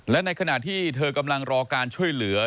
และในขณะที่เธอกำลังรอการช่วยเหลือ